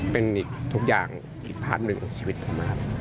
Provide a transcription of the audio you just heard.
เป็นอีกทุกอย่างอีกพาร์ทหนึ่งของชีวิตผมนะครับ